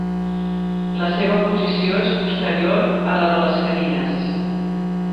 La seva posició és posterior a la de les canines.